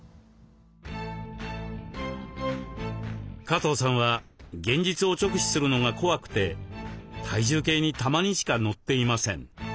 加藤さんは現実を直視するのが怖くて体重計にたまにしか乗っていません。